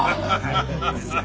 ハハハハ。